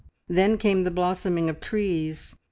Then came the blossoming of trees.